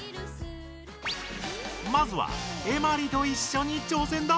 まずはエマリといっしょに挑戦だ！